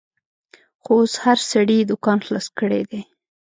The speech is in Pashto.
خو اوس هر سړي دوکان خلاص کړیدی